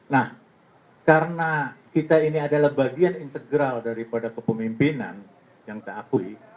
nah karena kita ini adalah bagian integral daripada kepemimpinan yang kita akui